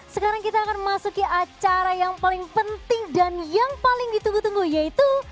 sekarang kita akan masuki acara yang paling penting dan yang paling ditunggu tunggu yaitu